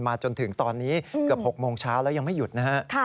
จนถึงตอนนี้เกือบ๖โมงเช้าแล้วยังไม่หยุดนะฮะ